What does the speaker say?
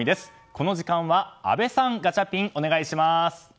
この時間は阿部さん、ガチャピンお願いします！